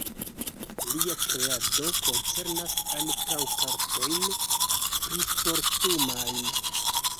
Lia kreado koncernas ankaŭ kartojn priforstumajn.